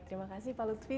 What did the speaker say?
terima kasih pak lutfi